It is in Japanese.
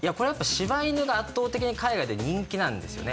柴犬が圧倒的に海外で人気なんですよね。